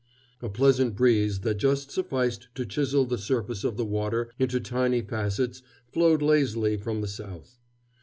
A pleasant breeze that just sufficed to chisel the surface of the water into tiny facets flowed lazily from the south.